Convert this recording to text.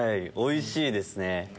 おいしいですね。